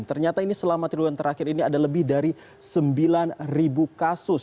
ternyata ini selama tiga bulan terakhir ini ada lebih dari sembilan kasus